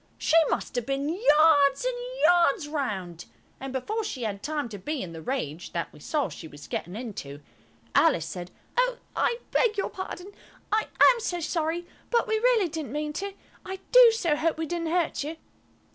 She must have been yards and yards round, and before she had time to be in the rage that we saw she was getting into, Alice said– "Oh, I beg your pardon! I am so sorry, but we really didn't mean to! I do so hope we didn't hurt you!"